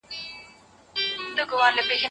زه به تر نيمو شپو کتاب ته ناست وم.